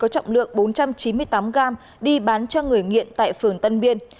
trọng lượng bốn trăm chín mươi tám gram đi bán cho người nghiện tại phường tân biên